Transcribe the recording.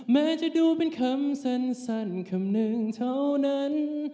แม้จะดูเป็นคำสั้นคำหนึ่งเท่านั้น